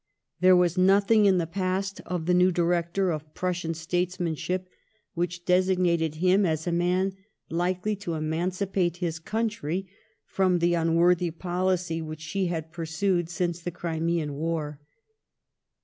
There was nothing in the past of the new director of Prussian statesmanship which desig nated him as a man likely to emancipate his country from the unworthy policy which she had pursued since the Crimean war.